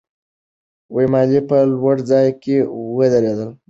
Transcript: ملالۍ په لوړ ځای کې ودرېدلې ده.